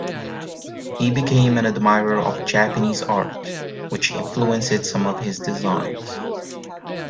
He became an admirer of Japanese art, which influenced some of his designs.